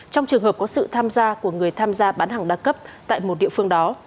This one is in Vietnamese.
trong trường hợp có sự tham gia của người tham gia bán hàng đa cấp tại một địa phương đó